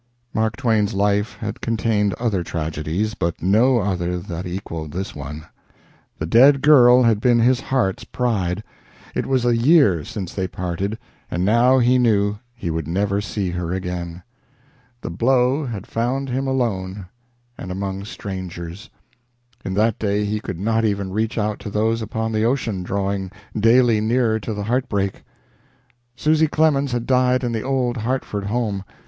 '" Mark Twain's life had contained other tragedies, but no other that equaled this one. The dead girl had been his heart's pride; it was a year since they parted, and now he knew he would never see her again. The blow had found him alone and among strangers. In that day he could not even reach out to those upon the ocean, drawing daily nearer to the heartbreak. Susy Clemens had died in the old Hartford home.